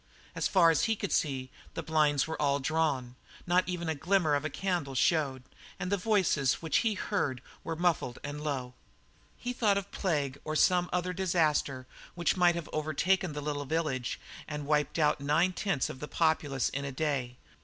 As far as he could see, the blinds were all drawn; not even the glimmer of a candle showed, and the voices which he heard were muffled and low. He thought of plague or some other disaster which might have overtaken the little village and wiped out nine tenths of the populace in a day.